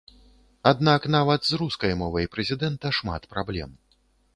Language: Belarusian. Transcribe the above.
Аднак нават з рускай мовай прэзідэнта шмат праблем.